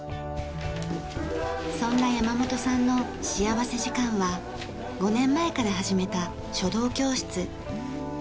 そんな山本さんの幸福時間は５年前から始めた書道教室。